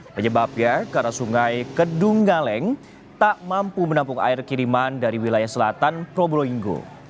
penyebabnya karena sungai kedunggaleng tak mampu menampung air kiriman dari wilayah selatan probolinggo